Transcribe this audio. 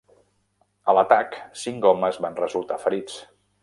A l'atac, cinc homes van resultar ferits.